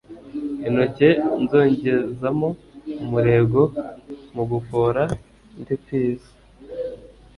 Intoke nzogezamo umurego mugufora ndikwiza